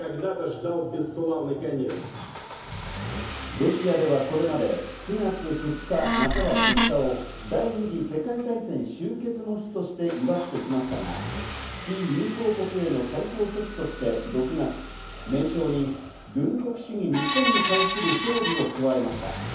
ロシアではこれまで９月２日または３日を第二次世界大戦終結の日として祝ってきましたが、非友好国への対抗措置として、６月、名称に「軍国主義日本に対する勝利」を加えました。